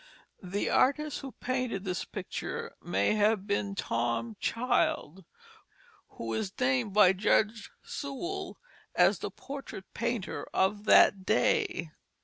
The artist who painted this picture may have been Tom Child, who is named by Judge Sewall as the portrait painter of that day.